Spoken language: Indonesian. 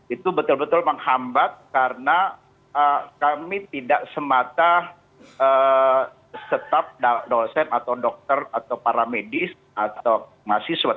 itu betul betul menghambat karena kami tidak semata staf dosen atau dokter atau para medis atau mahasiswa